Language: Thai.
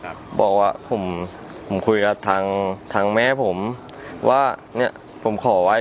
อเจมส์บอกว่าผมคุยกับทางแม่ผมว่าเนี่ยผมขอไหว้